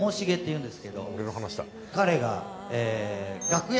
彼が。